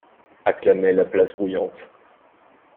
Acclamait la place grouillante.